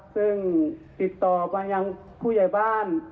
ซึ่งติดต่อมายังผู้ใหญ่บ้าน